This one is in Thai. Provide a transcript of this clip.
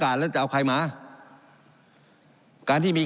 การปรับปรุงทางพื้นฐานสนามบิน